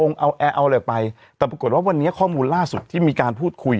เขาซื้อด้วยเหรอ